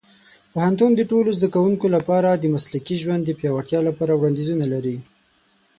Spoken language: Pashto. پوهنتون د ټولو زده کوونکو لپاره د مسلکي ژوند د پیاوړتیا لپاره وړاندیزونه لري.